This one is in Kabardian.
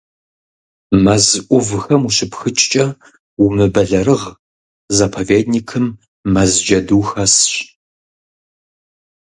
Мэз Ӏувхэм ущыпхыкӀкӀэ умыбэлэрыгъ, заповедникым мэз джэду хэсщ.